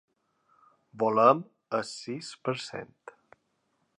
Volem el sis per cent.